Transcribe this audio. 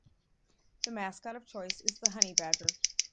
The mascot of choice is the Honey Badger.